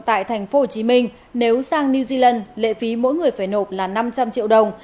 tại thành phố hồ chí minh nếu sang new zealand lệ phí mỗi người phải nộp là năm trăm linh triệu đồng